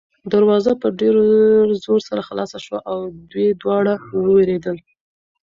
دروازه په ډېر زور سره خلاصه شوه او دوی دواړه ووېرېدل.